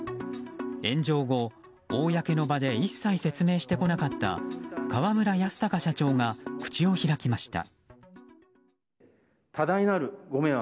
炎上後、公の場で一切説明してこなかった河村泰貴社長が口を開きました。